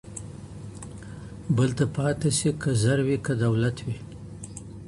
بل ته پاته سي که زر وي که دولت وي